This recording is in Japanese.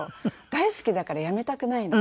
大好きだからやめたくないの。